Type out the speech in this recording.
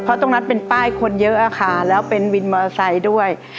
เพราะตรงนั้นเป็นป้ายคนเยอะค่ะแล้วเป็นวินมาสัยด้วย